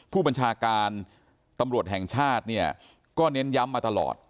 ผู้บัญชาการตำรวจแห่งชาติเนี่ยก็เน้นย้ำมาตลอด